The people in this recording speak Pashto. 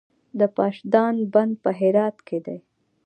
د پاشدان بند په هرات کې دی